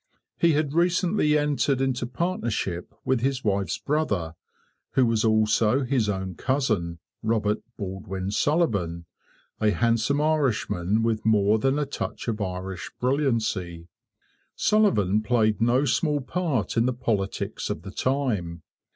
He had recently entered into partnership with his wife's brother, who was also his own cousin, Robert Baldwin Sullivan, a handsome Irishman with more than a touch of Irish brilliancy. Sullivan played no small part in the politics of the time.